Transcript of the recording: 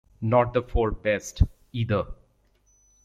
Not the four best, either.